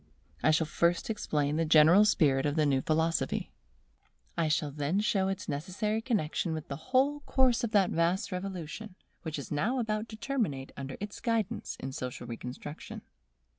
I shall first explain the general spirit of the new philosophy. I shall then show its necessary connexion with the whole course of that vast revolution which is now about to terminate under its guidance in social reconstruction.